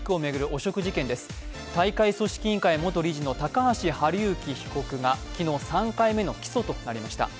大会組織委員会元理事の高橋治之被告が昨日３回目の起訴となりました。